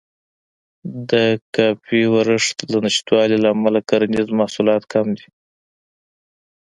د کافي ورښت له نشتوالي امله کرنیز محصولات کم دي.